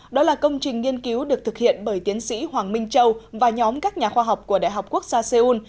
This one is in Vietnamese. đó là công trình nghiên cứu được thực hiện bởi tiến sĩ hoàng minh châu và nhóm các nhà khoa học của đại học quốc gia seoul